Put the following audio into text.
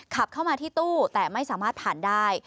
ขับเข้ามาที่ตู้แต่ไม่สามารถผ่านได้